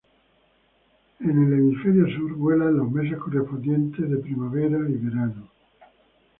En el hemisferio sur vuela en los meses correspondientes de primavera y verano.